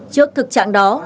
trước thực trạng đó